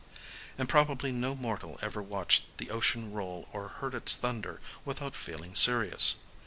And probably no mortal ever watched the ocean roll or heard its thunder without feeling serious.